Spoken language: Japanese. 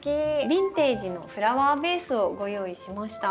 ビンテージのフラワーベースをご用意しました。